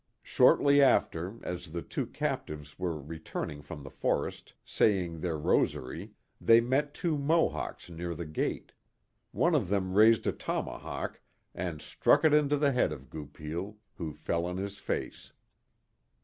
Shortly after, as the two captives were returning from the forest, saying their rosary, they met two Mohawks near the gate. One of them raised a tomahawk and struck it into the head of Goupil. who fell on his face.